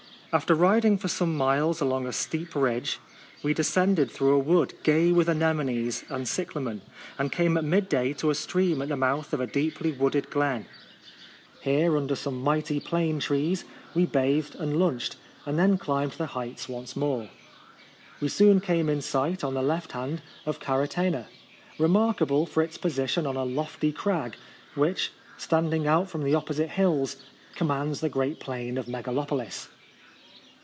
After rid ing for some miles along a steep ridge, we descended through a wood gay with anemones and cycla men, and came at mid day to a stream at the mouth of a deeply wooded glen. Here, under some mighty plane trees, we bathed and lunched, and then climbed the heights once more. We soon came in sight, on the left hand, of Kary tena, remarkable for its position on a lofty crag which, standing out from the opposite hills, commands the great plain of Megalopolis.